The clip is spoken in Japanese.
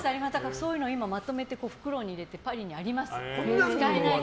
そういうのをまとめて袋に入れてパリにあります。